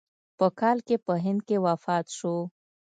په کال کې په هند کې وفات شو.